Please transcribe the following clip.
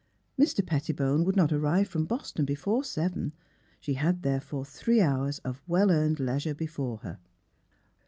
Mr. Petti bone would not arrive from Boston before seven^ She had, therefore, three hours of well earned leisure before her.